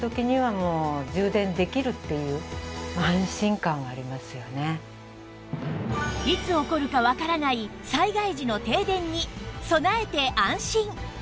さらにいつ起こるかわからない災害時の停電に備えて安心